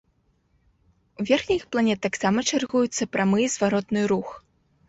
У верхніх планет таксама чаргуюцца прамы і зваротны рух.